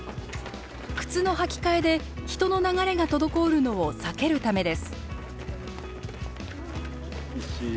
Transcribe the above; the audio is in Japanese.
靴の履き替えで人の流れが滞るのを避けるためです。